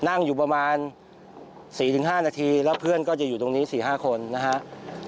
นั่งอยู่ประมาณ๔๕นาทีแล้วเพื่อนก็จะอยู่ตรงนี้๔๕คนนะครับ